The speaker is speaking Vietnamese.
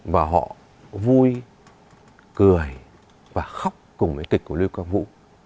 và họ vui cười và khóc cùng với kịch của lưu quang vũ